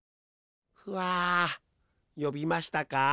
ふあよびましたか？